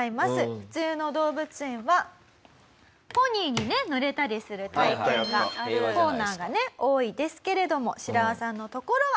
普通の動物園はポニーにね乗れたりする体験がコーナーがね多いですけれどもシラワさんの所は。